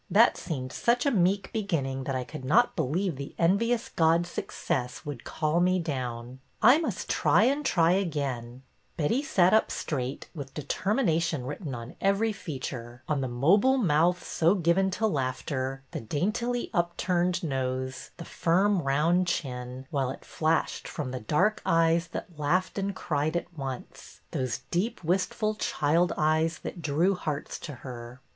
That seemed such a meek beginning that I could A RETURNED MANUSCRIPT 109 not believe the envious god Success would ' call me down/ I must try and try again/' Betty sat up straight, with determination writ ten on every feature, — on the mobile mouth so given to laughter, the daintily upturned nose, the firm, round chin, while it flashed from the dark eyes that laughed and cried at once, those deep wistful child eyes that drew hearts to her.